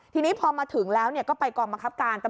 ทีนี้พอมาถึงแล้วก็ไปกองบังคับการ